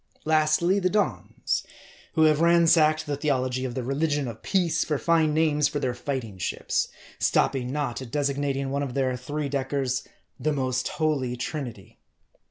Lastly, the Dons; who have ransacked the theology of the religion of peace for fine names for their fighting ships ; stopping not at designating one of their three deckers, The Most Holy Trinity.